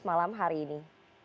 malam hari ini